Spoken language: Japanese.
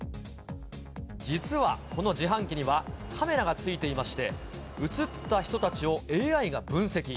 実はこの自販機には、カメラがついていまして、写った人たちをＡＩが分析。